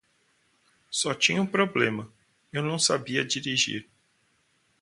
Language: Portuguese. Só tinha um problema, eu não sabia dirigir.